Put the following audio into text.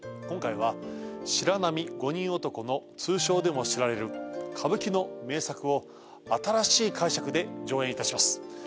今回は「白浪五人男」の通称でも知られる歌舞伎の名作を新しい解釈で上演いたします